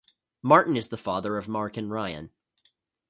Martin is the father of Mark and Ryan.